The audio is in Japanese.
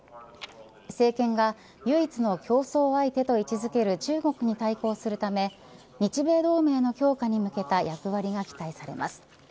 政権が、唯一の競争相手と位置づける中国に対抗するため日米同盟の強化に向けた役割が期待されます。